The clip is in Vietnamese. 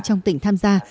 trong tỉnh tham gia